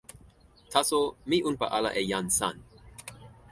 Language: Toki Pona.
taso mi unpa ala e jan San.